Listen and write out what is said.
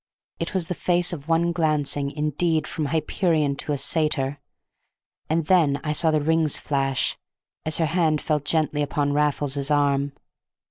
It was the face of one glancing indeed from Hyperion to a satyr. And then I saw the rings flash, as her hand fell gently upon Raffles's arm.